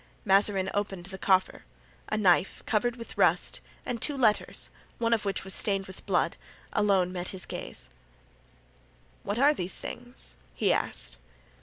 Mazarin opened the coffer; a knife, covered with rust, and two letters, one of which was stained with blood, alone met his gaze. "What are these things?" he asked.